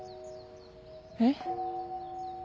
えっ。